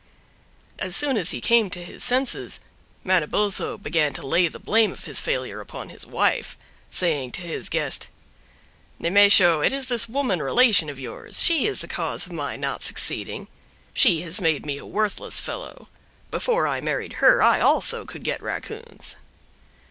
As soon as he came to his senses, Manabozho began to lay the blame of his failure upon his wife, saying to his guest: "Nemesho, it is this woman relation of yours—she is the cause of my not succeeding. She has made me a worthless fellow. Before I married her I also could get raccoons.